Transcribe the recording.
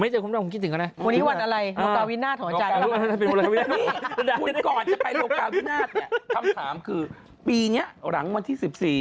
เป็นตุ๊ดได้ทุกวันนะครับ